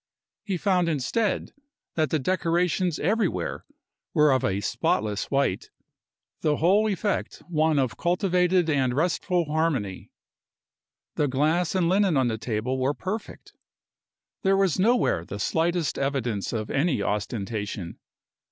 He found instead that the decorations everywhere were of spotless white, the whole effect one of cultivated and restful harmony. The glass and linen on the table were perfect. There was nowhere the slightest evidence of any ostentation.